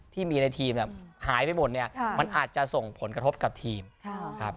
ที่มีในทีมแบบหายไปหมดเนี่ยมันอาจจะส่งผลกระทบกับทีมครับ